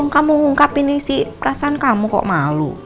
kamu ngungkapin sih perasaan kamu kok malu